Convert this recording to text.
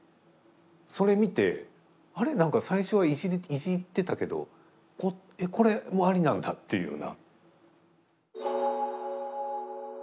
それ見て「あれ？何か最初はいじってたけどこれもありなんだ」っていうような。